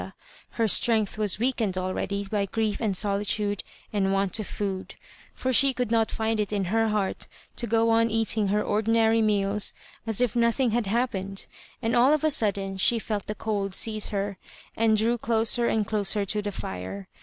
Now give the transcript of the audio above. to LuciUa ; her strength was weakened akeady by grief and solitude and want of food, for she could not find it in her heart to go on eating her ordinary meals as if nothing had happened ; and all of a sudden she felt the cold seize her, and drew closer and doaer to the fire.